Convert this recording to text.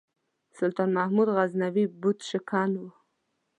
سلطان محمود غزنوي بُت شکن و.